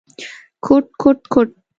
کوټ، کوټ ، کوټ ….